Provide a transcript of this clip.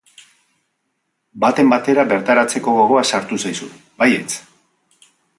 Baten batera bertaratzeko gogoa sartuko zaizu, baietz!